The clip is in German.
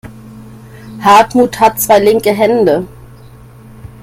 Hartmut hat zwei linke Hände.